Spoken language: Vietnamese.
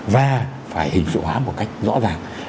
và phải hình sự hóa một cách rõ ràng